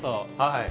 はい。